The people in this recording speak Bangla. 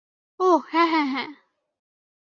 ওহ, হ্যাঁ, হ্যাঁ, হ্যাঁ।